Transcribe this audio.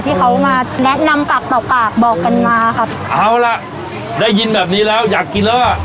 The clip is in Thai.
ที่เขามาแนะนำปากต่อปากบอกกันมาครับเอาล่ะได้ยินแบบนี้แล้วอยากกินแล้วอ่ะ